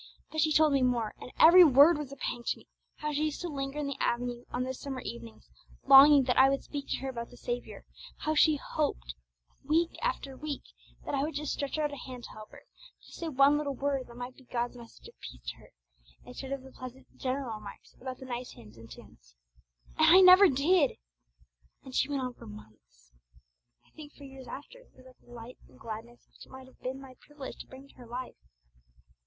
But she told me more, and every word was a pang to me, how she used to linger in the avenue on those summer evenings, longing that I would speak to her about the Saviour; how she hoped, week after week, that I would just stretch out a hand to help her, just say one little word that might be God's message of peace to her, instead of the pleasant, general remarks about the nice hymns and tunes. And I never did! And she went on for months, I think for years, after, without the light and gladness which it might have been my privilege to bring to her life.